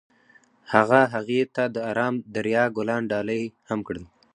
هغه هغې ته د آرام دریا ګلان ډالۍ هم کړل.